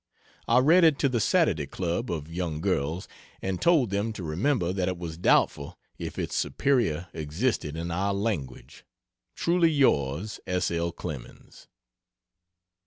I read it to the Saturday Club (of young girls) and told them to remember that it was doubtful if its superior existed in our language. Truly Yours, S. L. CLEMENS.